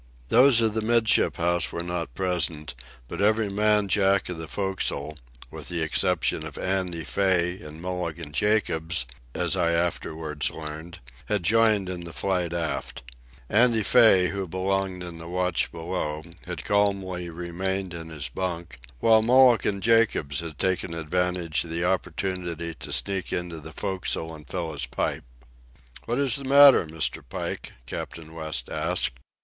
Those of the 'midship house were not present, but every man Jack of the forecastle, with the exception of Andy Fay and Mulligan Jacobs, as I afterwards learned, had joined in the flight aft. Andy Fay, who belonged in the watch below, had calmly remained in his bunk, while Mulligan Jacobs had taken advantage of the opportunity to sneak into the forecastle and fill his pipe. "What is the matter, Mr. Pike?" Captain West asked.